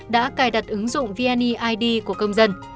đã cài đặt ứng dụng vnad của công dân